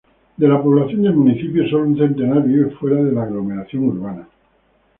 De la población del municipio solo un centenar vive fuera de la aglomeración urbana.